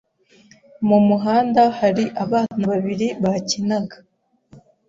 Mu muhanda hari abana babiri bakinaga.